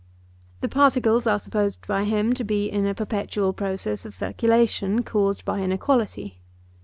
The particles are supposed by him to be in a perpetual process of circulation caused by inequality.